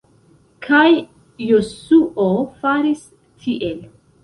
Kaj Josuo faris tiel.